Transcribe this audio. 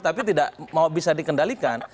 tapi tidak mau bisa dikendalikan